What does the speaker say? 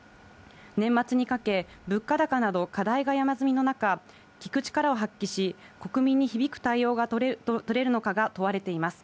年末にかけ、物価高など課題が山積みの中、聞く力を発揮し、国民に響く対応が取れるのかが問われています。